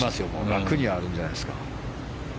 楽にあるんじゃないですか。